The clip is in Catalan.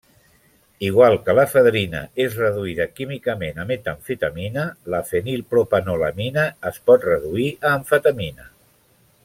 Igual que l'efedrina és reduïda químicament a metamfetamina, la fenilpropanolamina es pot reduir a amfetamina.